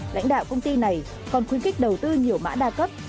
lãnh đạo công ty này còn khuyến khích đầu tư nhiều mã đa cấp